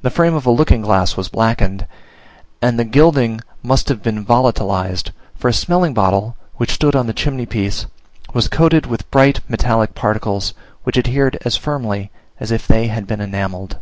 The frame of a looking glass was blackened, and the gilding must have been volatilized, for a smelling bottle, which stood on the chimney piece, was coated with bright metallic particles, which adhered as firmly as if they had been enamelled.